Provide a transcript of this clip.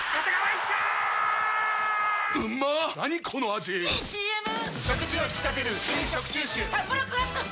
⁉いいＣＭ！！